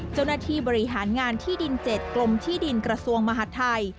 เจ้าหน้าที่บริหารงานที่ดิน๗กรมที่ดินกระทรวงมหาดไทย